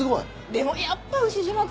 でもやっぱ牛島くんよ。